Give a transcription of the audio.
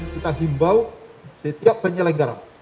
kita himbau setiap penyelenggaran